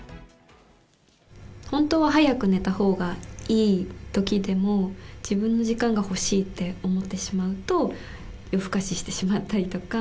本当は早く寝たほうがいいときでも、自分の時間が欲しいって思ってしまうと、夜更かししてしまったりとか。